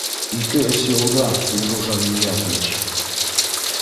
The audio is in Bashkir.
Ике-өс йылда, Илғужа Ғиниәтович